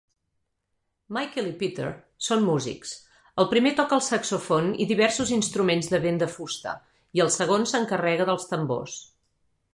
Michael i Peter són músics: el primer toca el saxofon i diversos instruments de vent de fusta i el segon s'encarrega dels tambors.